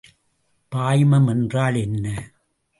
பாய்மம் என்றால் என்ன?